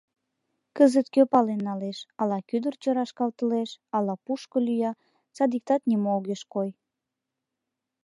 — Кызыт кӧ пален налеш, ала кӱдырчӧ рашкалтылеш, ала пушко лӱя, садиктак нимо огеш кой».